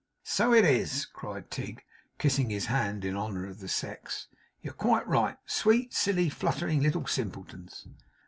'So it is,' cried Tigg, kissing his hand in honour of the sex. 'You're quite right. Sweet, silly, fluttering little simpletons!